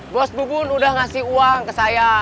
bos dubun udah ngasih uang ke saya